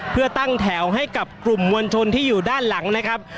เพื่อตั้งแถวให้กับกลุ่มมวลชนที่อยู่ด้านหลังนะครับ